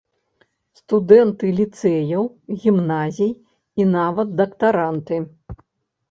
Студэнты ліцэяў, гімназій, і нават дактаранты.